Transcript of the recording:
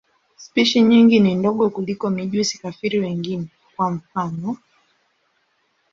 Spishi nyingi ni ndogo kuliko mijusi-kafiri wengine, kwa mfano.